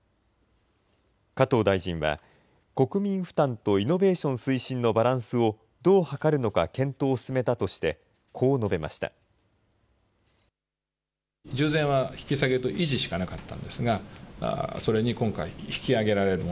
加藤大臣は、国民負担とイノベーション推進のバランスをどう図るのか検討を進めたとして、こう述べました。